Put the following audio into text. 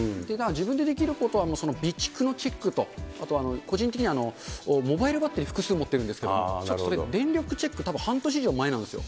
自分でできることは備蓄のチェックと、あと個人的には、モバイルバッテリー複数持ってるんですけれども、ちょっとそれ電力チェック、半年以上前なんですよ。